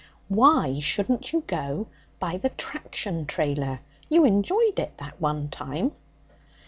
'Why shouldn't you go by the traction trailer? You enjoyed it that one time?'